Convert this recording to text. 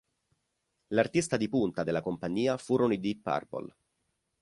L'artista di punta della compagnia furono i Deep Purple.